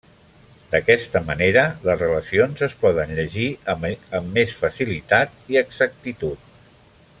D'aquesta manera, les relacions es poden llegir amb més facilitat i exactitud.